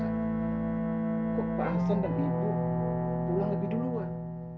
kok pak hasan dan ibu pulang lebih duluan